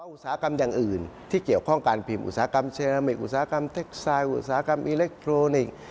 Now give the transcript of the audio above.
อุตสาหกรรมอย่างอื่นที่เกี่ยวข้องการพิมพ์อุตสาหกรรมเซรามิกอุตสาหกรรมเท็กไซด์อุตสาหกรรมอิเล็กทรอนิกส์